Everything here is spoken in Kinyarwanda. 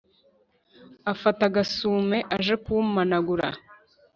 Afata agasuime aje kumanagura